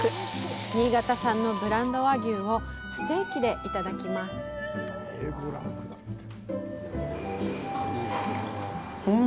新潟産のブランド和牛をステーキでいただきますうん！